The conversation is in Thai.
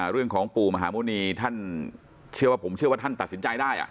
เรื่องของปู่มหาโมนีผมเชื่อว่าท่านตัดสินใจได้